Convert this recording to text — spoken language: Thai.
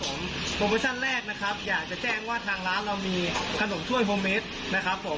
โปรโมชั่นแรกนะครับอยากจะแจ้งว่าทางร้านเรามีขนมถ้วยโฮเมดนะครับผม